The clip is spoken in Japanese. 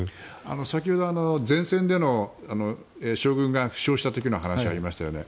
先ほど前線での将軍が負傷した時の話がありましたよね。